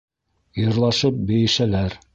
Йырлашып-бейешәләр.